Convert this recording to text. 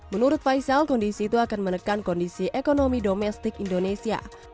menurut faisal kondisi itu akan menekan kondisi ekonomi domestik indonesia